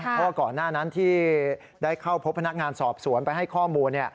เพราะว่าก่อนหน้านั้นที่ได้เข้าพบพนักงานสอบสวนไปให้ข้อมูล